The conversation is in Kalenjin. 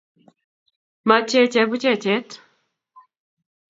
Mache chebuchechet